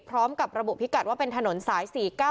พร้อมกับระบุพิกัดว่าเป็นถนนสาย๔๙